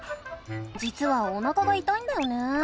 じつはおなかがいたいんだよね。